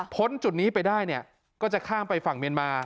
จุดนี้ไปได้เนี่ยก็จะข้ามไปฝั่งเมียนมา